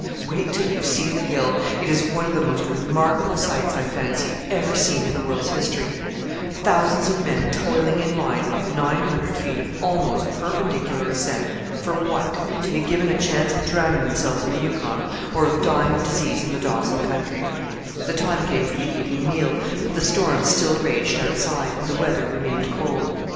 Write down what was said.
Wait till you see the hill! It is one of the most remarkable sights, I fancy, ever seen in the world's history: thousands of men toiling in line up nine hundred feet of almost perpendicular ascent for what? to be given a chance of drowning themselves in the Yukon, or of dying of disease in the Dawson country!" The time came for the evening meal; but the storm still raged outside and the weather remained cold.